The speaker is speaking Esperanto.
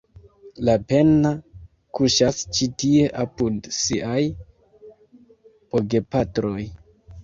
Lapenna kuŝas ĉi tie apud siaj bogepatroj.